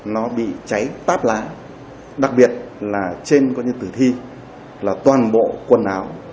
nó bị cháy táp lá đặc biệt là trên tử thi là toàn bộ quần áo